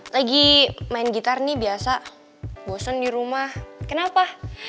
lagi main gitar nih biasa bosen dirumah kenapa